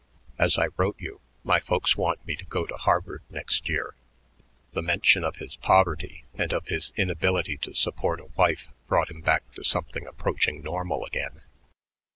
As I wrote you, my folks want me to go to Harvard next year." The mention of his poverty and of his inability to support a wife brought him back to something approaching normal again.